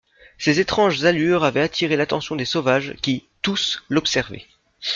Ses étranges allures avaient attiré l'attention des sauvages, qui, tous, l'observaient.